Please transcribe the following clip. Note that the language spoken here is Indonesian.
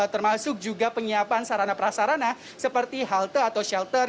termasuk juga penyiapan sarana prasarana seperti halte atau shelter